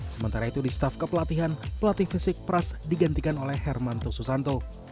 sementara itu di staff kepelatihan pelatih fisik pras digantikan oleh hermanto susanto